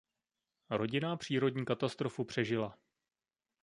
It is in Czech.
Rodina přírodní katastrofu přežila.